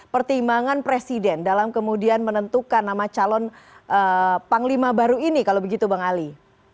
pertimbangan presiden dalam kemudian menentukan nama calon panglima baru ini kalau begitu bang ali